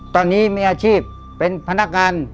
ตอนนี้มีอาชีพเป็นพนักงาน